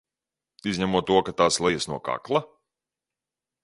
Izņemot to, ka tā slejas no kakla?